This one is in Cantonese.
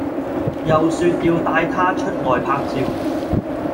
又說要帶她出外拍照